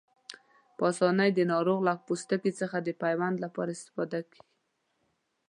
په آسانۍ د ناروغ له پوستکي څخه د پیوند لپاره استفاده کېږي.